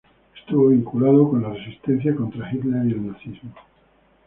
Estuvo vinculado con la resistencia contra Hitler y el nazismo.